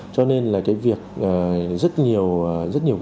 cho nên là việc rất nhiều